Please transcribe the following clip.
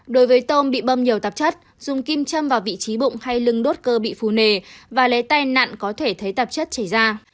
đối với tôm bị bâm nhiều tạp chất dùng kim châm vào vị trí bụng hay lưng đốt cơ bị phù nề và lấy tai nạn có thể thấy tạp chất chảy ra